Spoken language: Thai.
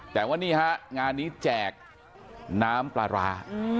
แต่ว่านี่ฮะงานนี้แจกน้ำปลาร้า